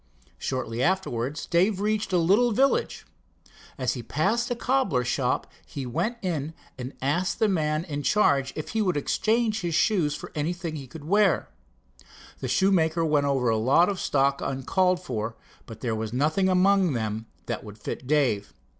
Shortly afterwards Dave reached a little village. As he passed a cobbler's shop he went in and asked the man in charge if he would exchange his shoes for anything he could wear. The shoemaker went over a lot of stock uncalled for, but there was nothing among them that would fit Dave.